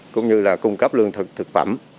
cũng như là cung cấp lương thực thực phẩm